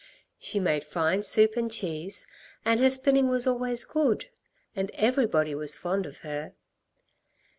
She made fine soup and cheese, and her spinning was always good, and everybody was very fond of her.